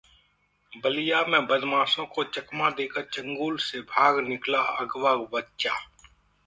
बलिया में बदमाशों को चकमा देकर चंगुल से भाग निकला अगवा बच्चा